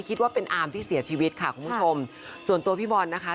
คุณผู้ชมส่วนตัวพี่บอลนะคะ